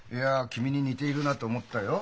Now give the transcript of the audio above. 君に似ているなと思ったよ。